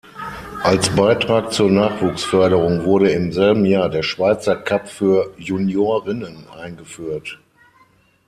Als Beitrag zur Nachwuchsförderung wurde im selben Jahr der Schweizer Cup für Juniorinnen eingeführt.